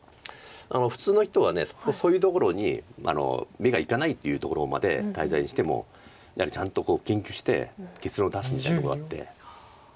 普通の人はそういうところに目がいかないというところまで滞在してもやはりちゃんと研究して結論を出すみたいなとこがあって。